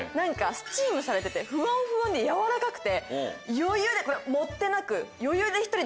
スチームされててフワンフワンでやわらかくて余裕でこれ盛ってなく。